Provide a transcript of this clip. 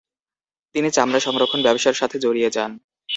তিনি চামড়া সংরক্ষণ ব্যবসার সাথে জড়িয়ে যান।